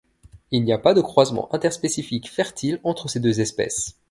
Il n'y a pas de croisements interspécifiques fertiles entre ces deux espèces.